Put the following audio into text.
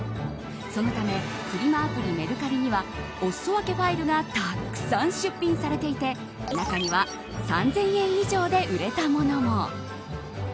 そのためフリマアプリ、メルカリにはおすそ分けファイルがたくさん出品されていて中には３０００円以上で売れたものも。